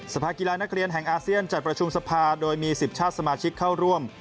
สภากีฬานักเรียนแห่งอาเซียนจัดประชุมสภาโดยมี๑๐ชาติสมาชิกเข้าร่วม